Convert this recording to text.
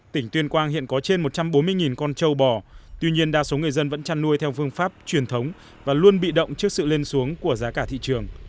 tỉnh tuyên quang hiện có trên một trăm bốn mươi con trâu bò tuy nhiên đa số người dân vẫn chăn nuôi theo phương pháp truyền thống và luôn bị động trước sự lên xuống của giá cả thị trường